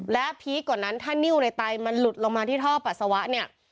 และพีคกว่านั้นถ้านิ้วในไตมันหลุดลงมาที่ท่อปัสสาวะเนี่ย